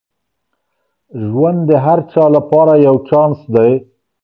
ژوند د هر چا لپاره یو چانس دی.